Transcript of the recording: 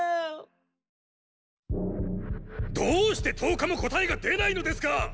どうして十日も答えが出ないのですか！